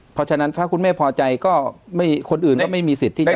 เพราะฉะนั้นถ้าคุณแม่พอใจก็คนอื่นก็ไม่มีสิทธิ์ที่จะ